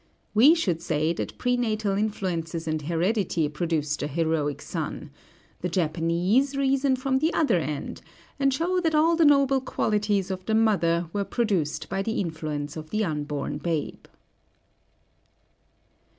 We should say that pre natal influences and heredity produced the heroic son; the Japanese reason from the other end, and show that all the noble qualities of the mother were produced by the influence of the unborn babe.